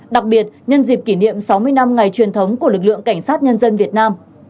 đặc biệt nhân dịp kỷ niệm sáu mươi năm ngày truyền thống của lực lượng cảnh sát nhân dân việt nam